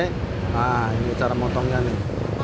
nah ini cara motongnya nih